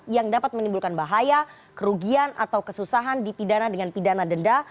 yang dapat menimbulkan bahaya kerugian atau kesusahan dipidana dengan pidana denda